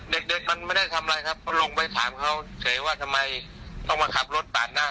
เด็กเด็กมันไม่ได้ทำอะไรครับก็ลงไปถามเขาเฉยว่าทำไมต้องมาขับรถปาดหน้า